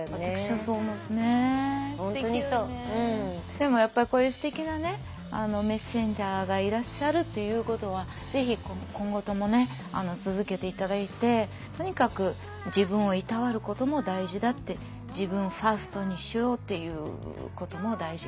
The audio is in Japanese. でもやっぱりこういうすてきなねメッセンジャーがいらっしゃるということはぜひ今後ともね続けて頂いてとにかく自分をいたわることも大事だって自分ファーストにしようっていうことも大事かなと思います。